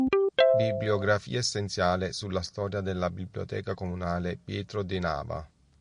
Bibliografia essenziale sulla Storia della Biblioteca Comunale “Pietro De Nava”